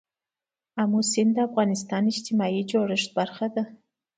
آمو سیند د افغانستان د اجتماعي جوړښت برخه ده.